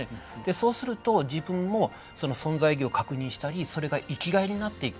そうすると自分もその存在意義を確認したりそれが生きがいになっていく。